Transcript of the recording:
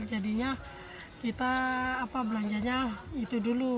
jadinya kita belanjanya itu dulu